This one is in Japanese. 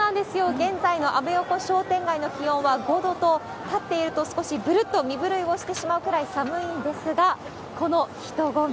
現在のアメ横商店街の気温は５度と、立っていると少しぶるっと身震いをしてしまうくらい寒いんですが、この人混み。